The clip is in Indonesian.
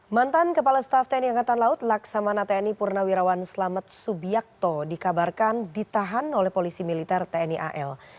mantan kepala staff tni angkatan laut laksamana tni purnawirawan selamet subiakto dikabarkan ditahan oleh polisi militer tni al